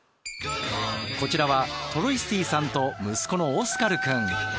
こちらはトロイスティさんと息子のオスカルくん。